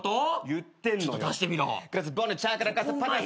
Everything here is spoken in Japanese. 言ってんのよ。